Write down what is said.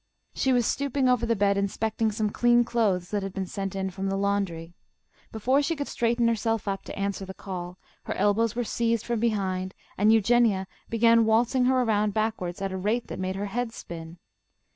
She was stooping over the bed inspecting some clean clothes that had been sent in from the laundry. Before she could straighten herself up to answer the call, her elbows were seized from behind, and Eugenia began waltzing her around backwards at a rate that made her head spin.